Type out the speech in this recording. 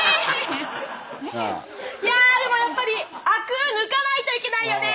いやでもやっぱりあく抜かないといけないよね。